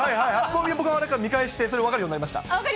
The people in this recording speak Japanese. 僕、見返して、それ分かるようになりました。